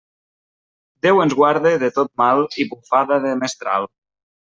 Déu ens guarde de tot mal i bufada de mestral.